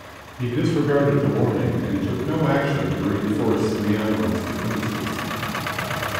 He disregarded the warning and took no action to reinforce the island's defenses.